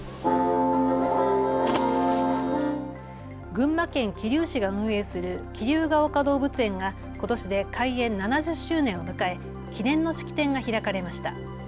群馬県桐生市が運営する桐生が岡動物園がことしで開園７０周年を迎え記念の式典が開かれました。